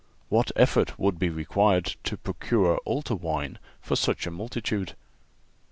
What effort would be required to procure altar wine for such a multitude?